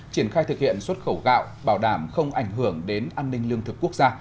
triển khai thực hiện xuất khẩu gạo bảo đảm không ảnh hưởng đến an ninh lương thực quốc gia